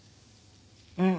うん。